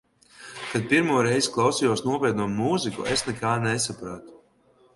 Kad pirmo reizi klausījos nopietno mūziku, es nekā nesapratu.